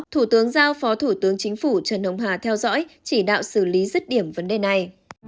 thủ tướng giao phó thủ tướng chính phủ trần hồng hà theo dõi chỉ đạo xử lý rứt điểm vấn đề này